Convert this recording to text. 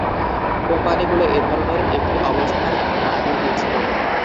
কোম্পানিগুলো এধরনের একটি অবস্থার ধারণা আগেই পেয়েছিল।